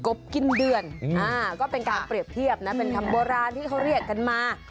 บกินเดือนก็เป็นการเปรียบเทียบนะเป็นคำโบราณที่เขาเรียกกันมา